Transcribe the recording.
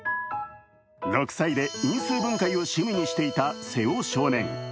６歳で因数分解を趣味にしていた瀬尾少年。